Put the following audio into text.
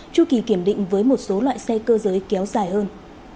chu kỳ kiểm định với một số loại xe cơ giới kéo dài hơn